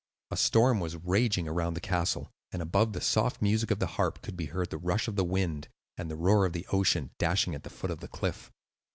A storm was raging around the castle, and above the soft music of the harp could be heard the rush of the wind, and the roar of the ocean dashing at the foot of the cliff.